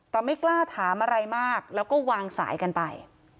แต่ไม่กล้าถามอะไรมากแล้วก็วางสายกันไป